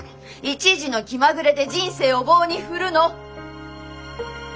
一時の気まぐれで人生を棒に振るの？